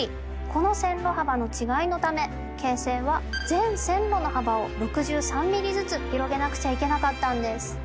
この線路幅の違いのため京成は全線路の幅を６３ミリずつ拡げなくちゃいけなかったんです。